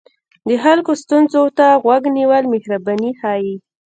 د خلکو ستونزو ته غوږ نیول مهرباني ښيي.